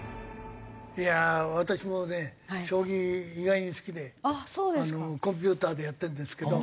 いやあ私もね将棋意外に好きでコンピューターでやってるんですけど。